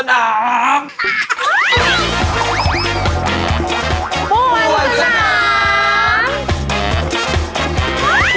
ปวนสนามปวนสนาม